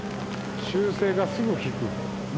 修正がすぐきく。